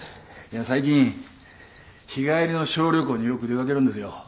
最近日帰りの小旅行によく出掛けるんですよ。